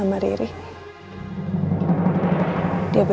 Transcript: masa masih bela india juga